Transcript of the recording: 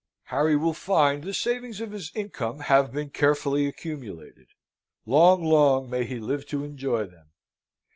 Harry will find the savings of his income have been carefully accumulated long, long may he live to enjoy them!